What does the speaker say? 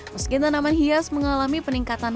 meski tanaman hias mengalami peningkatan